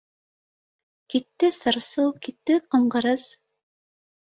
Китте сыр-сыу, китте ҡымғырыз